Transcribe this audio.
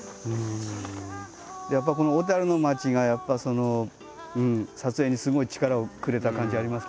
やっぱりこの小の町が撮影にすごい力をくれた感じあります。